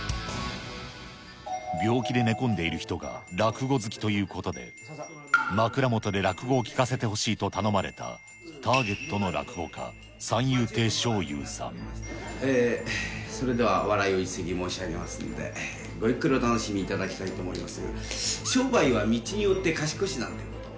病気で寝込んでいる人が落語好きということで、枕元で落語を聞かせてほしいと頼まれたターゲットの落語家、ええ、それでは笑いを一席申し上げますんで、ごゆっくりお楽しみいただきたいと思います。